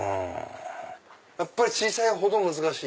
やっぱり小さいほど難しい？